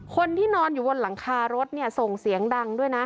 คนที่นอนอยู่บนหลังคารถส่งเสียงดังด้วยนะ